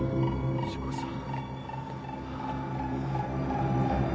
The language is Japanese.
藤子さん？